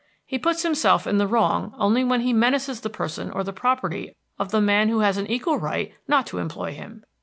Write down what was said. He puts himself in the wrong only when he menaces the person or the property of the man who has an equal right not to employ him.